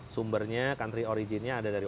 sumbernya country origin nya ada dari